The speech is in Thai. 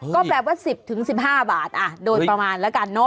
ก็แปลว่า๑๐๑๕บาทโดยประมาณแล้วกันเนอ